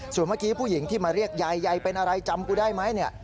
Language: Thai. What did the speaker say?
ส่วนเมื่อกี้ผู้หญิงที่มาเรียกยายยายเป็นอะไรจำกูได้ไหมเนี่ย